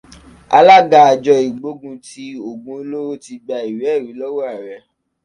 Alága àjọ ìgbógun ti ògùn olóró ti gba ìwé ẹ̀rí lọ́wọ́ ààrẹ